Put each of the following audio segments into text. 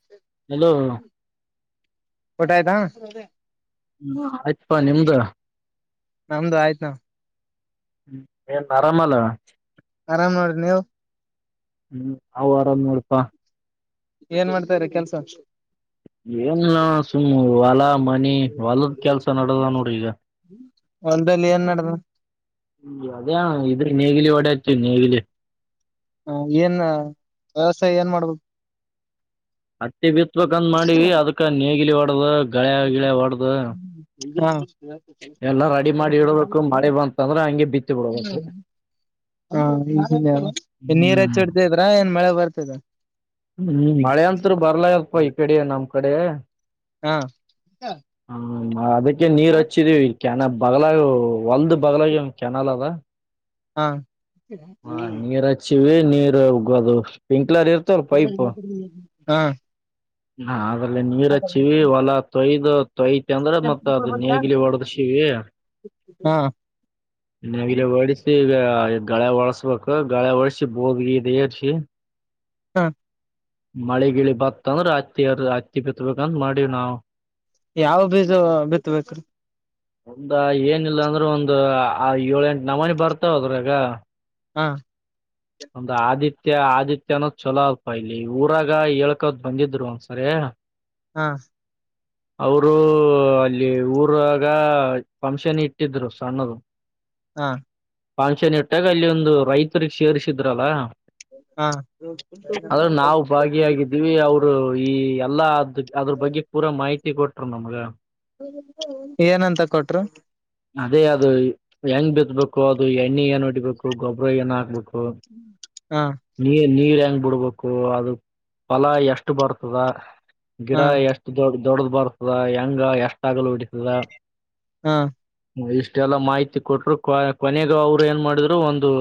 [inaudible] Hello [inaudible] ಊಟಾ ಆಯ್ತಾ ಹ್ಮ ಆಯ್ತಪಾ ನಿಮ್ದ ನಮ್ದು ಆಯ್ತನ್ ಹ್ಮ ಏಂತ್ ಆರಾಮಲ್ಲಾ ಆರಾಮ್ ನೋಡ್ರಿ ನೀವು ಹ್ಮ್ ನಾವು ಆರಾಮ್ ನೋಡಪಾ ಏನ್ ಮಾಡ್ತಾರೆ ಕೆಲ್ಸ್ ಏನಿಲ್ಲಣಾ ಸುಮ್ಮ್ ಹೊಲ ಮನಿ ಹೊಲದ ಕೆಲ್ಸ ನಡದ ನೋಡ್ರಿ ಈಗ ಹೊಲ್ದಲ್ಲಿ ಏನ್ ನಡದದ ಹ್ಮ ಅದೇ ಅಣಾ ಇದರ್ ನೇಗಿಲಿ ಹೊಡ್ಯಾತೆವಿ ನೇಗಿಲಿ ಹ ಏನ್ ವ್ಯವಸಾಯ ಏನ್ ಮಾಡ್ಬೇಕ್ ಹತ್ತಿ ಬಿತ್ಬಕಂತ್ ಮಾಡೀವಿ ಅದಕ ನೇಗಿಲಿ ಹೊಡ್ದ ಗಳೆ ಗಿಳೆ ಹೊಡ್ದ ಹಾ. ಎಲ್ಲಾ ರೆಡಿ ಮಾಡಿ ಇಡ್ಬೇಕು ಮಳೆ ಬಂತಂದ್ರೆ ಹಂಗೆ ಬಿತ್ತಿ ಬಿಡ್ಬೇಕು ಹಾ ಇದನ್ ಏನ್ ನೀರ್ ಹ್ಮ್ ಹಚ್ಚಿಡ್ತದ್ರ ಏನ್ ಮಳೆ ಬರ್ತದ ಹ್ಮ್ ಮಳೆ ಅಂತ್ರು ಬರ್ಲಾಗ್ಯಾದ ಪಾ ಈ ಕಡೆ ನಮ್ ಕಡೆ ಹಾ [unintelligible] ಹ ಅದಕ್ಕೆ ನೀರ್ ಹಚ್ಚಿದೀವಿ ಕ್ಯಾನ ಬಗಲಾಗ ಹೊಲ್ದೆ ಬದಲಾಗಿ ಒಂದು ಕೆನಲ್ ಅದ. ಹಾ ಹ ನೀರ್ ಹಚ್ಚಿವಿ ನೀರ್ ಅದು ಪಿಂಕ್ಲರ್ ಇರ್. ಹಾ. [inaudible] ಹ ಅದ್ರಲ್ಲಿ ನೀರ್ ಹಚ್ಚಿವಿ ಹೊಲ ತೊಯ್ದು ತೊಯತಿ ಅಂದ್ರ ಮತ್ ಅದ್ ನೇಗಿಲಿ ಹೊಡೇಶಿವಿ ಹಾ [inaudible] ನೇಗಿಲೆ ಹೊಡಿಸಿ ಈಗ ಗಳೆ ಹೊಳಸ್ಬೇಕು ಗಾಳೆ ಹೊಡಸಿ ಬೋಗಿಲಿ ಇದು ಏರಿಸಿ. ಹಾ. ಮಳೆ ಗಿಳಿ ಬತ್ತಂದ್ರ ಅತ್ತಿ ಹತ್ತಿ ಬಿತ್ಬೇಕಂತ ಮಾಡೀವಿ ನಾವು. ಯಾವ ಬೀಜ ಬಿತ್ತಬೇಕು. ಒಂದ ಏನಿಲ್ಲ ಅಂದ್ರೆ ಒಂದು ಏಳ ಎಂಟು ನಾವಾಣಿ ಬರ್ತಾವ ಅದ್ರಗ. ಹಾ ಒಂದು ಆದಿತ್ಯ ಆದಿತ್ಯ ಅನ್ನೋದ್ ಚೊಲೋ ಅಲ್ಪ ಇಲ್ಲಿ ಊರಾಗ ಹೇಳ್ಕೋದ್ ಬಂದಿದ್ರು ಒಂದ್ಸರಿ. [inaudible] ಹಾ [inaudible] ಅವರು ಅಲ್ಲಿ ಊರಾಗ ಫಂಕ್ಷನ್ ಇಟ್ಟಿದ್ರು ಸಣ್ಣದು. [inaudible] ಹಾ ಫಂಕ್ಷನ್ ಇಟ್ಟಾಗ ಅಲ್ಲಿ ಒಂದು ರೈತರು ಸೇರ್ರಿಸಿದ್ರಲ್ಲ. ಹಾ ಭಾಗಿಯಾಗಿದ್ದೀವಿ ಅವರು ಈ ಎಲ್ಲಾ ಅದ ಅದ್ರ ಬಗ್ಗೆ ಪೂರಾ ಮಾಹಿತಿ ಕೊಟರು ನಮ್ಗ. ಏನಂತ ಕೊಟರು. ಅದೇ ಅದು ಹೆಂಗ್ ಬಿತ್ಬೇಕು ಅದು ಎಣ್ಣೆ ಏನ್ ಇಡಿಬೇಕು ಗೊಬ್ಬರ ಏನ್ ಹಾಕ್ಬೇಕು. ಹಾ ನೀ ನೀರ್ ಹೆಂಗ್ ಬಿಡ್ಬೇಕು ಅದು ಫಲ ಎಷ್ಟು ಬರ್ತದ ಗಿಡ ಹಾ ಎಷ್ಟ. ದೊಡ್ಡ ದೊಡ್ಡ್ದ ಬರ್ತದ ಹೆಂಗ ಎಷ್ಟ ಆಗ್ಲ ಹೊಡೀತದ. ಹಾ ಇಷ್ಟೆಲ್ಲ ಮಾಹಿತಿ ಕೊಟ್ಟರು ಕೊನೆಗ ಅವ್ರು ಏನ್ ಮಾಡಿದ್ರು ಒಂದು.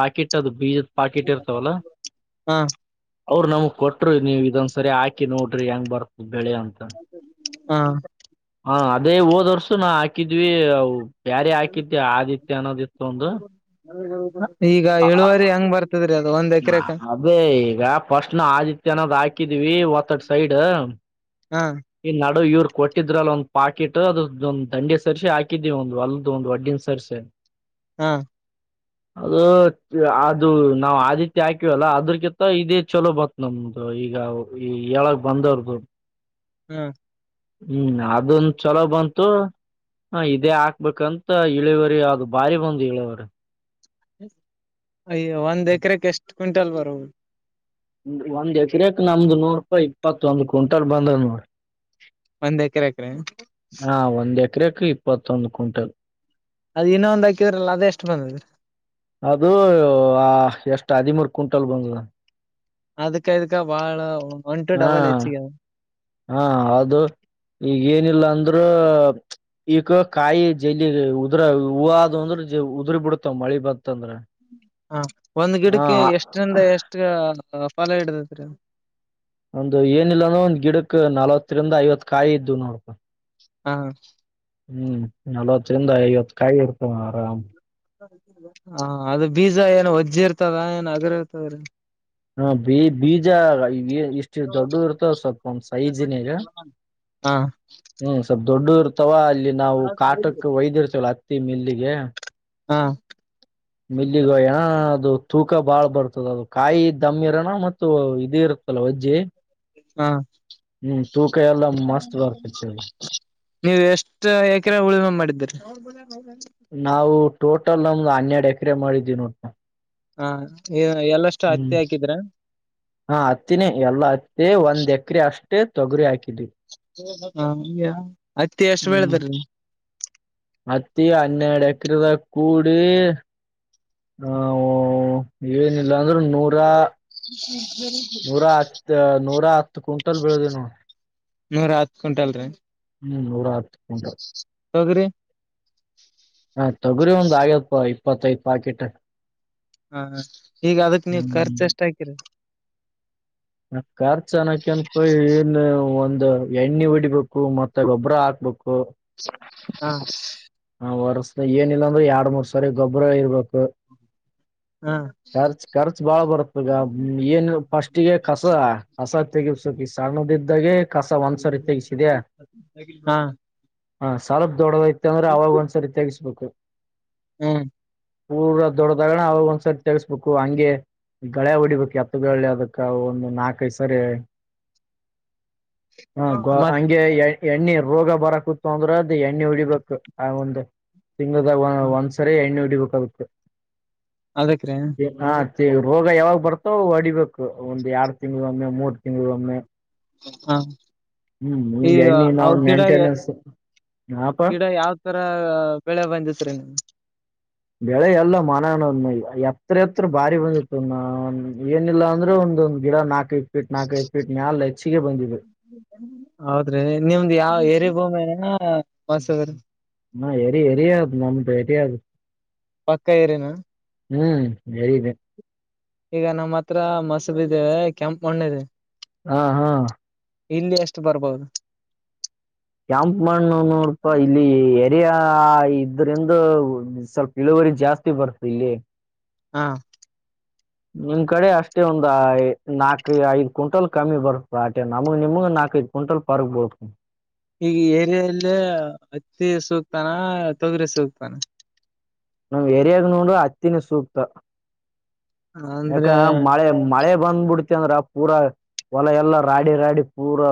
ಪಾಕೆಟ್ ಅದು ಬೀಜದ ಪಾಕೆಟ್ ಇರ್ತವಲ್ಲ. ಹಾ ಅವರು ನಮ್ಗ್ ಕೊಟ್ರು ನೀವ ಇದೊಂದ ಸರಿ ಹಾಕಿ ನೋಡ್ರಿ ಹೆಂಗ್ ಬರ್. ಬೆಳೆ ಅಂತ. ಹಾ ಹಾ ಅದೇ ಹೋದ ವರ್ಷ ನಾ ಹಾಕಿದ್ವಿ ಬ್ಯಾರಿ ಹಾಕಿದ ಆದಿತ್ತ ಅನ್ನೋದಿತ್ತು ಒಂದು. ಈಗ ಇಳುವರಿ ಹೆಂಗ್ ಬರ್ತದ್ರಿ ಅದು ಒಂದ್ ಎಕರೆಗೆ. ಅದೇ ಈಗ ಫಸ್ಟ್ ನ ಆದಿತ್ಯ ಅನ್ನೋದು ಹಾಕಿದೀವಿ ಒತ್ತಡ್ ಸೈಡ್. ಹಾ ಈ ನಡು ಇವ್ರು ಕೊಟ್ಟಿದ್ರ ಅ ಒಂದ್ ಪಾಕೆಟ್ ಅದೊಂದ್ ದಂಡಿ ಸರ್ರಿಸಿ ಹಾಕಿದೀವಿ ಒಂದ್ ಅಲ್ದ ಒಂದು ವಡ್ಡಿನ ಸರಿಸೆ. [inaudible] ಹಾ [inaudible] ಅದು ಅದು ನಾವು ಆದಿತ್ಯ ಹಾಕಿವವಲ್ಲ ಅದ್ರಕಿಂತ ಇದೇ ಚಲೋ ಬತ್ತ. ನಮ್ದು ಈಗ ಈ ಹೇಳಕ್ಕ ಬಂದವ್ರ್ದು. ಹ್ಮ್ ಹ್ಮ್ ಅದೊಂದು ಚಲೋ ಬಂತು. ಹ ಇದೇ ಹಾಕ್ಬೇಕಂತ ಇಳವರಿ ಅದು ಬಾರಿ ಬಂದ್ ಇಳವ್ರ [inaudible] ಅಯ್ಯ ಒಂದ್ ಎಕರೆಕ್ ಎಷ್ಟ್ ಕ್ವಿಂಟಲ್ ಬರದು ಒಂದ್ ಎಕರೆಕ್ ನಮ್ದು ನೂರ್ ರೂಪಾಯಿ ಇಪ್ಪತ್ತ ಒಂದು ಕ್ವಿಂಟಲ್ ಬಂದದ್ ನೋಡರಿ ಒಂದ್ ಎಕರೆ ಎಕರೆ ಹಾ ಒಂದ್ ಎಕರೆಕ್ ಇಪ್ಪತ್ತೊಂದು ಕುಟ್ಟಲ್ ಅದ ಇನ್ನೊಂದ ಹಾಕಿದ್ರಲ್ಲ ಅದದೆಷ್ಟ ಬಂದತರಿ ಅದು ಹಾ ಎಷ್ಟ ಹದಿಮೂರು ಕುಟ್ಟಲ್ ಬಂದಿದ ಅದ್ಕ ಇದಕ ಬಾಳ ಒನ್ ಟು ಹಾ ಡಬಲ್ ಹೆಚ್ಚಿಗೆ [inaudible] ಹಾ ಅದ ಈಗ ಏನಿಲ್ಲ ಅಂದ್ರ ಈಗ ಕಾಯಿ ಜೈಲಿ ಉದ್ರ ಹೂವದಅಂದ್ರ ಉದ್ರ ಬಿಡ್ತಾವ ಮಳಿ ಬಂತ ಅಂದ್ರ ಹ ಒಂದ್ ಗಿಡಕ್ಕೆ ಎಷ್ಟರಿಂದ ಎಷ್ಟ ಫಲ ಹಿಡ್ದತ್ರಿ ಒಂದು ಏನಿಲ್ಲಾನ ಒಂದ ಗಿಡಕ್ ನಲ್ವತ್ತರಿಂದ ಐವತ್ ಕಾಯಿ ಇದ್ದವ ನೋಡಪಾ ಹಾ ಹ್ಮ್ ನಲ್ವತ್ತರಿಂದ ಐವತ್ ಕಾಯಿ ಇರ್ತವ ಆರಾಮ್ [inaudible] ಹ ಅದ ಬೀಜ ಏನ ಒಜ್ಜಿ ಇರ್ತದ ಏನ್ ಅಗ್ರ ಇರ್ತದ್ರೀ ಹಾ ಬಿ ಬೀಜ ಈ ಇಷ್ಟ ದೊಡ್ಡ ಇರ್ತದ ಸ್ವಲ್ಪ ಒಂದ್ ಸೈಜಿನ್ಯಾಗ ಹಾ ಹ್ಮ್ ಸ್ವಲ್ಪ್ ದೊಡ್ಡ ಇರ್ತಾವ ಅಲ್ಲಿ ನಾವು ಕಾಟಕ್ ಒಯ್ದ ಇರ್ತೇವ ಹತ್ತಿ ಮಿಲ್ಲಿಗೆ ಹಾ ಮಿಲ್ಲಿಗೆಯಅಣ್ಣ ಅದು ತೂಕ ಬಾಳ್ ಬರ್ತದ ಅದು ಕಾಯಿ ದಮ್ಮಿ ಇರಣ ಮತ್ತು ಇದಿರ್ ತಲವಜ್ಜೆ ಹಾ ಹ್ಮ್ ತೂಕ ಎಲ್ಲ ಮಸ್ತ ಬರ್ತತಿ ಹೇಳ ನೀವು ಎಷ್ಟ ಎಕರೆ ಉಳಮೆ ಮಾಡಿದ್ದರಿ ನಾವು ಟೋಟಲ್ ನಮ್ದ್ ಹನ್ನೆರಡ ಎಕರೆ ಮಾಡಿದೀವಿ ನೋಟ ಹಾ ಎಲ್ಲಷ್ಟ ಹ್ಮ್ ಹತ್ತಿ ಹಾಕಿದ್ರ ಹಾ ಹತ್ತಿನೇ ಎಲ್ಲಾ ಹತ್ತಿ ಒಂದ್ ಎಕ್ರ ಅಷ್ಟೇ ತೊಗರಿ ಹಾಕಿದ್ವಿ [unintelligible] ಹಂಗೆ ಹತ್ತಿ ಎಷ್ಟ ಹ್ಮ್ ಬೆಳದ್ರಿ ಹತ್ತಿ ಹನ್ನೆಡ ಎಕರದ ಕೂಡಿ ನಾವು ಏನಿಲ್ಲ ಅಂದ್ರ ನೂರು [unintelligible] ನೂರಾ ಹತ್ ನೂರಾ ಹತ್ತು ಕುಟ್ಟಲ್ ಬೆಳದ ನೋ ನೂರ ಹತ್ ಕುಂಟಲ್ರರಿ ಹ್ಮ್ ನೂರಾ ಹತ್ತ ಕುಟ್ಟಲ್ ತೊಗರಿ ಹ ತೊಗುರಿ ಒಂದ್ ಐವತ್ತ ಇಪ್ಪತ್ತೈದ ಪಾಕೆಟ್ ಹಾ ಹ ಈಗ ಅದಕ ನೀವು ಖರ್ಚ ಹ್ಮ್ ಎಷ್ಟ ಹಾಕಿರ ಖರ್ಚ್ ಅನ್ನಕ ಅನ್ಪಿ ಏನ ಒಂದು ಎಣ್ಣಿ ಹೊಡಿಬೇಕ ಹು ಮತ್ತ ಗೊಬ್ಬರ ಹಾಕ್ಬೇಕ ಹ [inaudible] ಆ ವರ್ಸ ಏನಇಲ್ಲಾಂದ್ರ ಎರಡ್ ಮೂರ್ ಸರಿ ಗೊಬ್ಬರ ಇರ್ಬೇಕು ಹ [inaudible] ಖರ್ಚ ಖರ್ಚ ಬಾಳ ಬರುತ್ತದ ಈಗ ಏನ ಫಸ್ಟಗೆ ಕಸ ಕಸ ತೆಗಸುಕ ಈ ಸಣ್ಣದ್ದಾಗೆ ಕಸ ಒಂದ್ಸರಿ ತೆಗಸಿದ್ಯಾ ಹಾ ಹ ಸಲ್ಪ್ ದೊಡ್ಡದೈತೆ ಅಂದ್ರೆ ಅವಾಗ ಒಂದ್ಸರಿ ತ್ಯಗಸ್ಬೇಕು ಹ್ಮ್ ಪೂರಾ ದೊಡ್ಡ್ದಾಗಣ ಅವಾಗ ಒಂದ್ಸರ್ತಿ ತಿಳ್ಸ್ಬೇಕು ಹಂಗೆ. ಈ ಗಳೆ ಹೊಡಿಬೇಕು ಹತ್ತು ಬೆಳ್ಳೆ ಅದಕ ಅವು. ನಾಲ್ಕೈದ ಸರಿ. ಮತ್ ಗೆ ಎಣ್ಣೆ ರೋಗ ಬರಕ ಅಂದ್ರೆ ಅದು ಎಣ್ಣೆ ಉಡಿಬೇಕು ಆ ಒಂದು ತಿಂಗದ ಒಂದು. ಹಾ ಸರಿ ಎಣ್ಣೆ ಉಡಿಬೇಕ್ ಅದಕ್.. ಅದಕ್ರೀ ರೋಗ ಯಾವಾಗ ಬರ್ತೋ ಹೊಡಿಬೇಕು ಒಂದ್ ಎರಡು ತಿಂಗ್ಳ ಒಮ್ಮೆ ಮೂರು ತಿಂಗಳು ಒಮ್ಮೆ. ಹಾ ಈಗ ಹಿಂಗೆ ಎಣ್ಣೆ ನಾವು ಗಿಡ...... ಮೇಂಟೆನೆನ್ಸ್ ಹಾಪ ಗಿಡ ಯಾವ. ತರ ಬೆಳೆ ಬಂದಿತ್ ರೀ ನೀ. ಬೆಳೆ ಎಲ್ಲ ಮನ ಅಣದ ಮ ಎತ್ರ ಎತ್ರ ಬಾರಿ ಬಂದಿತ್ತು ನ ಏನಿಲ್ಲ ಅಂದ್ರೆ ಒಂದೊಂದು. ಗಿಡ ನಾಕಐದಪೀಟ್ ನಾಕ ಐ ಫೀಟ್ ಮಾಲ ಹೆಚ್ಚಿಗೆ ಬಂದಿದೆ. ಹೌದ್ರಿ ನಿಮ್ದ್ ಯಾವ ಎ ಏರಿ ಭೂಮಿ ಮಸೂರ. ಹಾ ಎರಿ ಎರಿಯ್ದ್ ನಮ್ದು ಎರಿಯದು. ಪಕ್ಕ ಏರಿನಾ. ಹ್ಮ್ ಹರಿದೆ. ಈಗ ನಮ್ಮ್ ಹತ್ರ ಮಸರುದೆ ಕೆಂಪ ಮಣ್ಣೆದೆ. ಹಾ ಹಾ. ಇಲ್ಲಿ ಎಷ್ಟು ಬರ್ಬಹುದು. ಕ್ಯಾಂಪ್ ಮಣ್ಣ ನೋಡಪಾ ಇಲ್ಲಿ. ಇಡ ಇದರಿಂದ ಸ್ವಲ್ಪ ಇಳುವರಿ ಜಾಸ್ತಿ ಬರ್ತದೆ ಇಲ್ಲಿ. ಹಾ ನಿಮ್ ಕಡೆ ಅಷ್ಟೇ ಒಂದ್ ನಾಲ್ಕು ಐದ್ ಕ್ವಿಂಟಲ್ ಕಮ್ಮಿ ಬರು ಆಟೆ ನಮಗ್ ನಿಮಗ ನಾಲ್ಕೈ. ಕ್ವಿಂಟಲ್ ಪಾರ್ಕ್ ಬೋಲತ ಈಗ ಏರಿಯಲ್ಲೇ ಹತ್ತಿ ಸೂಕ್ತಾನ ತೊಗರಿ ಸೂಕ್ತಾನ. ನಮ್ ಎರಿಯಾಗ ನೋಡ್ರ ಅ ಹತ್ತಿನ ಸೂಕ್ತ. ಯಾಕ ಅಂದ್ರೆ ಮಳೆ ಮಳೆ ಬಂದಬಿಡ್ತ. ದ್ರ ಪೂರಾ ಹೊಲ ಎಲ್ಲ ರಾಡಿ ರಾಡಿ ಪೂರಾ.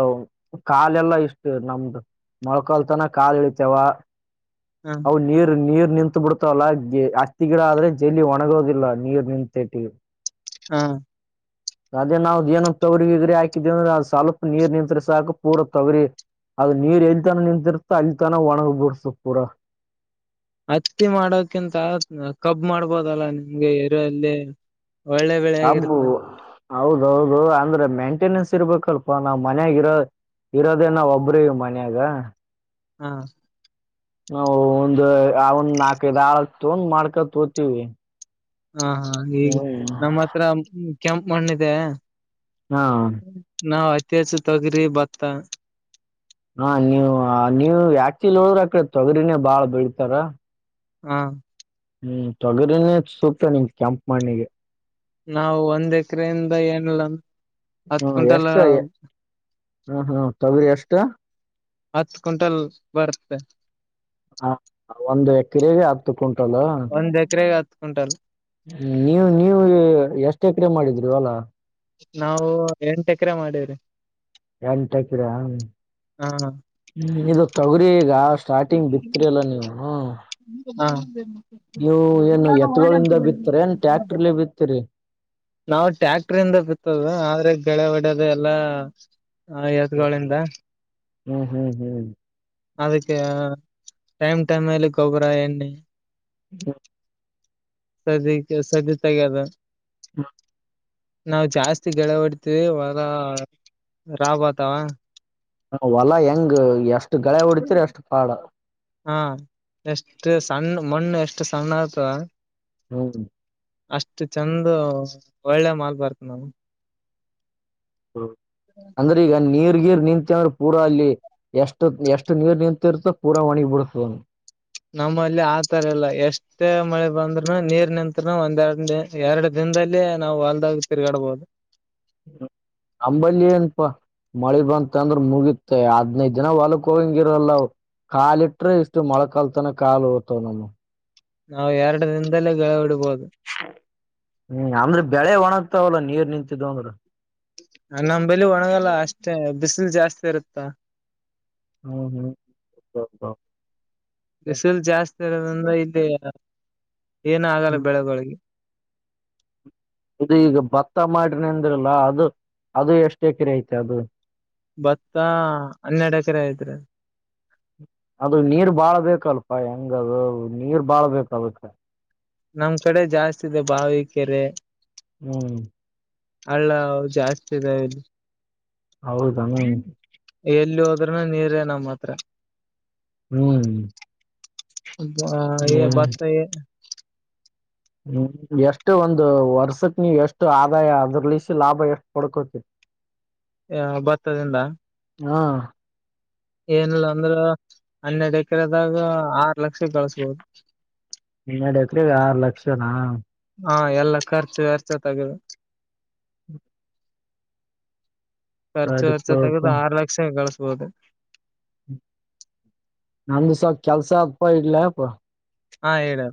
ಕಾಲೆಲ್ಲಾ ಇಷ್ಟು ನಮ್ದು ಮೊಳಕಾಲ್ತನ ಕಾಲ ಇಳಿತೇವ. ಹ ಅ ನೀರ್ ನೀರ್ ನಿಂತು ಬಿಡ್ತಾವಲ್ಲ ಗ ಹತ್ತಿ ಗಿಡ ಆದ್ರೆ ಜಲಿದಿ ಒಣಗೋದಿಲ್ಲ ನೀರ್ ನಿಂತ. ಸಟಿ ಹಾ [inaudible] ಅದೇ ನಾವು ಏನ್ ತಗರಿ ಗಗ್ರಿ ಹಾಕಿದೇವಿ ಅಂದ್ರೆ ಅದು ಸ್ವಲ್ಪ ನೀರ್ ನಿಂತ್ರ ಸಾಕು ಪೂರಾ ತೋಗರಿ. ಅದ ನೀರ್ ಎಲ್ಲಿ ತನ ನಿಂತಿರ್ತ ಅಲ್ಲಿ ತನ ಒಣಗ್ ಬುರ್ಸು ಪೂರ. ಹತ್ತಿ ಮಾಡೋಕಿಂತ ಕಬ್ ಮಾಡ್ಬೋದಲ್ಲ ನಿಮ್ಗೆ ಎರುಲ್ಲಿ.. ಒಳ್ಳೆ ಬೆಳೆ. ಕಬ್ಬ ಹೌದೌದು ಅಂದ್ರೆ ಮೇಂಟೆನೆನ್ಸ್ ಇರ್ಬೇಕಲ್ಪ ನಾವ್ ಮನ್ಗರೋ. ಇರೋದೇ ನಾನ ಒಬ್ಬರೆ ಮನ್ಯಾಗ. ಹಾ ನಾ ಒಂದ ಅವ ಒಂದ್ ನಾಕೈದು ಆಳ ತೊಗೊಂಡ ಮಾಡ್ಕಲೋತವಿ. ಹಾ ಹಾ ಈಗ ನಮ್ಮ ಹತ್ರ ಕೆಂಪ ಮಣ್ಣಿದೆ. ಹಾ ನಾವ್ ಅತಿ ಹೆಚ್ಚು ತಗರಿ ಬತ್ತ. ಹಾ ನೀವು ನೀವು ಆಕ್ಚುಲಿ ಹೋದ್ರ ಅಕಡೆ ತೊಗರಿನೇ ಬಾಳ ಬೆಳ್ತಾರ ಹಾ ಹ್ಮ್ ತೊಗರಿನೇ ಸೂಕ್ತ ನಿಮ ಕೆಂಪ್ಪು ಮಾಣ್ಣಿಗೆ. ನಾವು ಒಂದ್ ಎಕ್ರೆಯಿಂದ ಏನಿಲ್ಲ. ಹತ್ ಹ್ಮ್ ಕ್ವಿಂಟಲ್ ಎಷ್ಟ ಎ ಹ್ಮ ಹ್ಮ್ ತೊಗರಿ ಎಷ್ಟ. ಹತ್ತು ಕ್ವಿಂಟಲ್ ಬರುತ್ತೆ. ಹ ಒಂದು ಎಕರೆಗೆ ಹತ್ತು ಕುಂಟಲ್. ಒಂದು ಎಕರೆಗೆ ಹತ್ತು ಕುಂಟಲ್. ನೀವು ನೀವು ಎಷ್ಟ ಎಕರೆ ಮಾಡಿದ್ರಿ ಹೊಲ ನಾವು ಎಂಟು ಎಕರೆ ಮಾಡೇವ್ರಿ. ಎಂಟ ಎಕರೆನ ಹಾ ಇದು ತೊಗರಿ ಈಗ ಅಷ್ಟ. ಸ್ಟಾರ್ಟಿಂಗ್ ಬಿತ್ರಿ ಅಲ್ಲ ನೀವು. ಹಾ ನೀವು ಏನು ಎತ್ಗಳಿಂದ ಬಿತ್ತರಿ ಏನ್ ಟ್ಯಾಕ್ಟ್ರಲಿ ಬಿತ್ತೀರಿ. ನಾವು ಟ್ಯಾಕ್ಟ್ರಯಿಂದ ಬಿತ್ತೋದು ಆದ್ರೆ ಗಳೇ ಹೊಡಿಯೋದು ಅದೆಲ್ಲ ಹಾ ಏತುಗಳಿಂದ. ಹ್ಮ್ ಹ್ಮ್ ಹ್ಮ್. ಅದಕ್ಕೆ ಟೈಮ್ ಟೈಮ್ ಅಲ್ಲಿ ಗೊಬ್ಬರ ಎಣ್ಣೆ. [inaudible] ಸದ್ಯಕ್ಕೆ ಸದಿತೆಗೆದ. [inaudible] ನಾವು ಜಾಸ್ತಿ ಗೆಳೆ ಹೊಡ್ತಿವಿ ಹೊರ ರಾವ್ ಬತಾವ. ಹೊಲ ಹೆಂಗ್ ಎಷ್ಟು ಗಳೆ ಹೊಡತಿರಿ ಎಷ್ಟು ಕಾಡ. ಹಾ ಎಷ್ಟು ಸಣ್ಣ ಮಣ್ಣು ಎಷ್ಟು ಸಣ್ಣ ಆಯತ. ಹೌದು ಅಷ್ಟು ಚಂದ ಒಳ್ಳೆ ಮಾಲ್ ಬರ್ತ ನೋಡು. ಹ ಅಂದ್ರೆ ಈಗ ನೀರ್ಗೀರ್ ನಿಂತವ್ರ. ಪೂರಾ ಅಲ್ಲಿ ಎಷ್ಟು ಎಷ್ಟು ನೀರ್ ನಿಂತಿರುತೋ ಪೂರಾ ಒಣಗಿ ಬಿಡತ ಅಲ್ಲಿ ನಮ್ಮಲ್ಲಿ ಆತರ ಇಲ್ಲ ಎಷ್ಟೇ ಮಳೆ ಬಂದನೂರು ನೀರ್ ನಿಂತನ ಒಂದ್ಒಂದೇ ಎರಡು ದಿನದಲ್ಲಿೇ ನಾವು ಹೊಲ್ದಾಗ ತಿರ್ಗಾಡಬಹುದು. ನಮಲ್ಲಿ ಏನಪ್ಪಾ. ಮಳಿ ಬಂತ ಅಂದ್ರ ಮುಗಿತೆ ಹದಿನೈದು ದಿನ ಹೊಲಕ್ ಹೋಗಿಂಗಿರಲ್ಲ. ಕಾಲಿಟ್ರೆ ಇಷ್ಟು ಮೊಳ ಕಲ್ತಾನ ಕಾಲುತನಕ ಕಾಲು ಹೋತವ್ ನಮ್ದು. ನಾವು ಎರಡದಿಂದಲೇ ಗಳೇ ಹೊಡಿಯಬಹುದು. ಹ್ಮ್ ಅಂದ್ರೆ ಬೆಳೆ ಒಣಗ್ತಾವಲ್ಲ ನೀರ್ ನಿಂತಿದ್ದ್ ಅಂದ್ರ. ನಮ್ಮ ಬೆಲಿ ಒಣಗಲ್ಲ ಅಷ್ಟೇ ಬಿಸಿಲು ಜಾಸ್ತಿ ಇರುತ್ತಾ. ಹ್ಮ್ ಹ್ಮ್. ಬಿಸಿಲು ಜಾಸ್ತಿ ಇರೋದ್ರಿಂದ ಇಲ್ಲಿ ಏನ ಆಗಲ್ಲ ಬೆಳೆಬೆಳಗ್ಗೆ. ಇದು ಈಗ ಭತ್ತ ಮಾಡ್ರನ ಅಂದ್ರಲ್ಲ ಅದು ಅದು ಎಷ್ಟ ಎಕರೆ ಐತೆ ಅದು. ಭತ್ತ ಹನ್ನೆರಡು ಎಕರೆ ಐತ್ರಿ. ಅದು ನೀರ್ ಬಾಳ್ ಬೇಕಲ್ಪ ಹೆಂಗದು ನೀರ್ ಬಾಳ್ ಬೇಕಾಗುತ್ತೆ.. ನಮ್ ಕಡೆ ಜಾಸ್ತಿ ಇದೆ ಬಾವಿ ಕೆರೆ. ಹ್ಮ್ ಹಳ್ಳ ಜಾಸ್ತಿ ಇದಾವೆ ಇದು. ಹೌದ ಎಲ್ಲಿ ಹೋದ್ರನ ನೀರೇ ನಮ್ಮ ಹತ್ರ. ಹ್ಮ್ ಹ್ಮ್ ಭತ್ತ ಏನ್. ಹ್ಮ್, ಎಷ್ಟು ಒಂದು ವರ್ಷಕ್ ನೀವ್ ಎಷ್ಟು ಆದಾಯ ಅದ್ರಲೆಸಿ ಲಾಭ ಎಷ್ಟು ಪಡ್ಕೋತಿರಿ [inaudible] ಏಯ್ ಭತ್ತದಿಂದಾ ಹಾ, ಏನಿಲ್ಲಾ ಅಂದ್ರ ಹನ್ನೆರಡ್ ಎಕರೆದಾಗ ಆರ್ ಲಕ್ಷ ಗಳಸ್ಬೋದು. ಹನ್ನ್ನೆರಡ ಎಕ್ರಗ ಆರು ಲಕ್ಷನಾ ಹಾ, ಎಲ್ಲ ಖರ್ಚು ವೆಚ್ಚ ತೆಗದು. ಹ [inaudible] ಖರ್ಚು ವೆಚ್ಚ ತೆಗೆದು ಆರು ಲಕ್ಷ ಗಳಿಸಬಹುದು. ನಂದು ಸ್ವಲ್ಪ ಕೆಲ್ಸಾದ ಅಪ್ಪ ಇಡ್ಲ ಅಪ್ಪ. ಹಾ, ಇಡ್